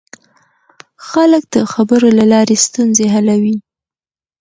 خلک د خبرو له لارې ستونزې حلوي